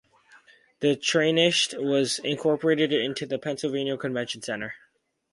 The trainshed was incorporated into the Pennsylvania Convention Center.